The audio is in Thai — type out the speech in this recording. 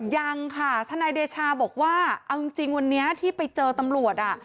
ยังค่ะทนายเดชาบอกว่าเอาจริงวันนี้ที่ไปเจอตำรวจอ่ะ